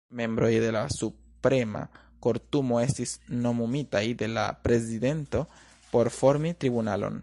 Membroj de la Suprema Kortumo estis nomumitaj de la prezidento por formi tribunalon.